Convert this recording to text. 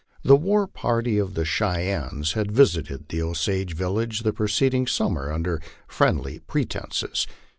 A war party of the Cheyennes had visited the Osage village the preceding summer, under friendly pretences.